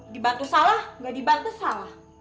dibantu salah nggak dibantu salah